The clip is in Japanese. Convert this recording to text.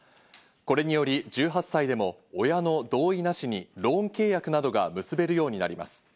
これにより１８歳でも親の同意なしにローン契約などが結べるようになります。